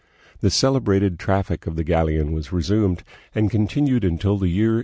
The celebrated traffic of the galleon was resumed and continued until the year 1815.